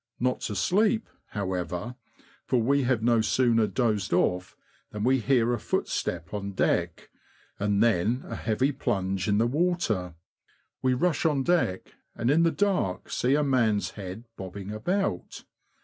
Not to sleep, however, for we have no sooner dozed off than we hear a footstep on deck, and then a heavy plunge in the water. We rush on deck, and in the dark see a man's head bobbing about.